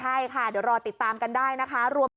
ใช่ค่ะเดี๋ยวรอติดตามกันได้นะคะ